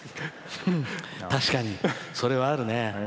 確かに、それはあるね。